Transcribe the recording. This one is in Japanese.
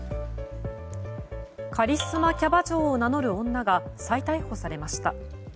カリスマキャバ嬢を名乗る女が再逮捕されました。